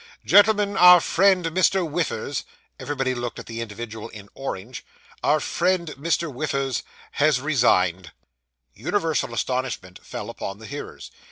Gentlemen, our friend Mr. Whiffers (everybody looked at the individual in orange), our friend Mr. Whiffers has resigned.' Universal astonishment fell upon the hearers.